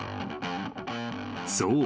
［そう。